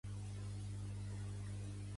Pertany al moviment independentista la Natxa?